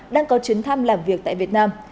đang có chuyến thăm làm việc tại việt nam